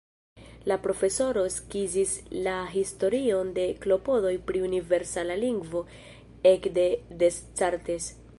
La profesoro skizis la historion de klopodoj pri universala lingvo ekde Descartes.